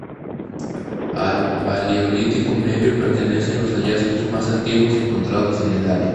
Al Paleolítico medio pertenecen los hallazgos más antiguos encontrados en el área.